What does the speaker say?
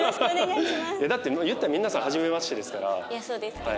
だって言ったら皆さんはじめましてですから。